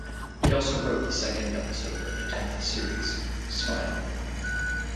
He also wrote the second episode of the tenth series, "Smile".